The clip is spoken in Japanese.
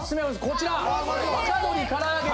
こちら！